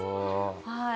はい。